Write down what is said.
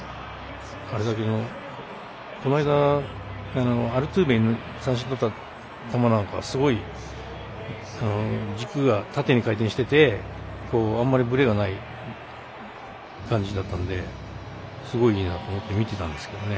この間、三振とった球なんかすごい軸が縦に回転していてあんまりぶれがない感じだったのですごいいいなと思って見てたんですけどね。